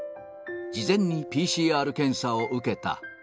事前にＰＣＲ検査を受けた。